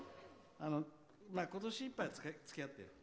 今年いっぱいはつきあってよ。